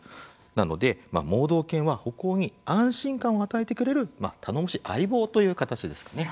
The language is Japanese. なので盲導犬は歩行に安心感を与えてくれる頼もしい相棒という形ですかね。